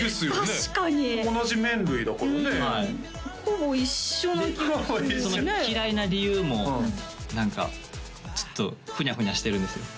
確かに同じ麺類だからねほぼ一緒な気がするね嫌いな理由も何かちょっとふにゃふにゃしてるんですよ